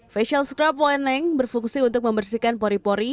facial scrub wheening berfungsi untuk membersihkan pori pori